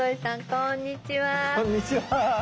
こんにちは。